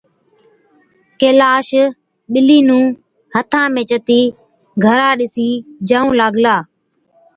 ڪيلاش ٻلِي نُون هٿا ۾ چتِي گھرا ڏِسِين جائُون لاگلا،